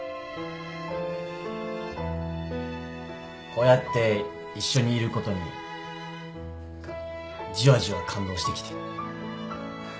こうやって一緒にいることにじわじわ感動してきて。